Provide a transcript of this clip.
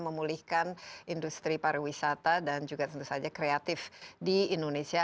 memulihkan industri pariwisata dan juga tentu saja kreatif di indonesia